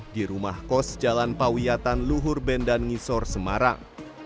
di rumah kos jalan pawiatan luhur bendan ngisor semarang